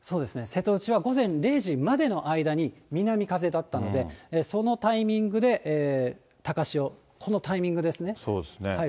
瀬戸内は午前０時までの間に、南風だったんで、そのタイミングで高潮、このタイミングですね。